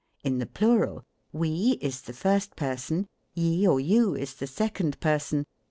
In the plural ; We, is the first person. Ye or you, is the second person.